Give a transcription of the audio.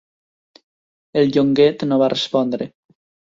El Llonguet no va respondre.